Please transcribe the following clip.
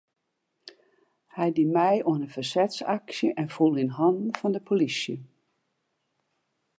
Hy die mei oan in fersetsaksje en foel yn hannen fan de polysje.